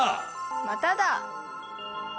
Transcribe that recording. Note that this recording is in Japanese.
まただ！